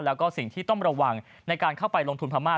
แล้วก็สิ่งที่ต้องระวังในการเข้าไปลงทุนพม่า